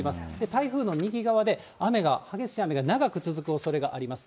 台風の右側で雨が、激しい雨が長く続くおそれがあります。